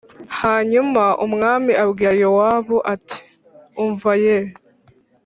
Hanyuma umwami abwira Yowabu ati Umva ye